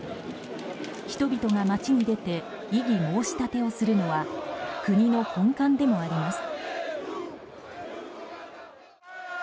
人々が街に出て異議申し立てをするのは国の根幹でもあります。